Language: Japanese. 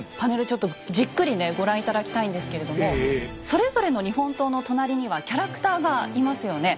ちょっとじっくりご覧頂きたいんですけれどもそれぞれの日本刀の隣にはキャラクターがいますよね。